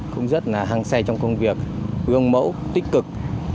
cũng rất là hăng say trong công việc gương mẫu tích cực